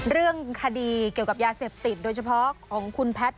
เรื่องคดีเกี่ยวกับยาเสพติดโดยเฉพาะของคุณแพทย์